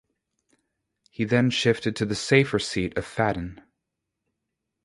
He then shifted to the safer seat of Fadden.